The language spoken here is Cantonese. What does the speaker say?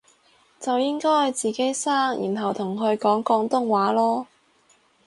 就應該自己生然後同佢講廣東話囉